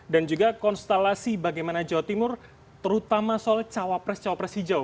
dan juga konstelasi bagaimana jawa timur terutama soal cawapres cawapres hijau